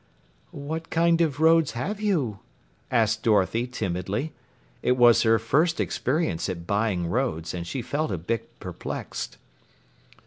"What kind of roads have you?" asked Dorothy timidly. It was her first experience at buying roads, and she felt a bit perplexed.